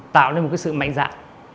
tạo nên một cái sự mạnh dạng